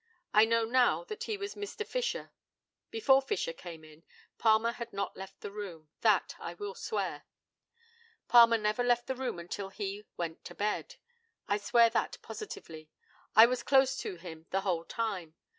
I know now that he was Mr. Fisher. Before Fisher came in, Palmer had not left the room. That I will swear. Palmer never left the room until he went to bed. I swear that positively. I was close to him the whole time.